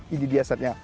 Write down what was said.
ini dia saatnya